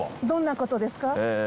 どんなことですか？